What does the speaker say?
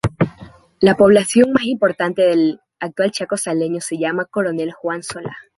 La población más importante del actual Chaco salteño se llama Coronel Juan Solá.